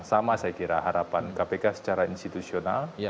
sama saya kira harapan kpk secara institusional